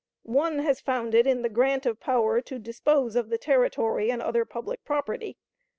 One has found it in the grant of power to dispose of the Territory and other public property.